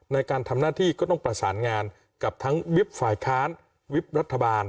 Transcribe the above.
ในการทำหน้าที่ก็ต้องประสานงานกับทั้งวิบฝ่ายค้านวิบรัฐบาล